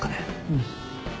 うん。